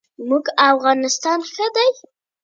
هر لیکوال باید نوی فکر وړاندي کړي.